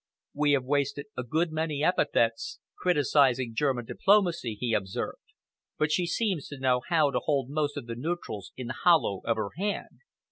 "We have wasted a good many epithets criticising German diplomacy," he observed, "but she seems to know how to hold most of the neutrals in the hollow of her hand.